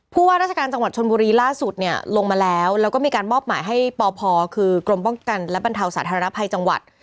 ว่าราชการจังหวัดชนบุรีล่าสุดเนี่ยลงมาแล้วแล้วก็มีการมอบหมายให้ปพคือกรมป้องกันและบรรเทาสาธารณภัยจังหวัด